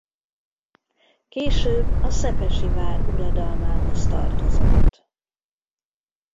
Később a szepesi vár uradalmához tartozott.